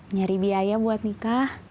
nyari biaya buat nikah